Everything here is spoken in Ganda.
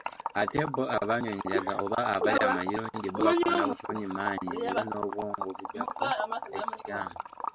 Ate bo abanywa enjaga oba abalya amayirungi bo bafuna bufunyi maanyi era n'obwongo bujjako ekikyamu.